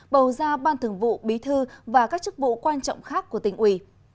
bầu ra ban thường vụ bí thư và các chức vụ quan trọng khác của tỉnh ủy